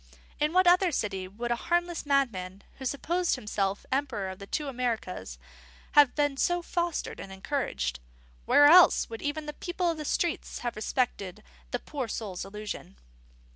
In what other city would a harmless madman who supposed himself emperor of the two Americas have been so fostered and encouraged? Where else would even the people of the streets have respected the poor soul's illusion?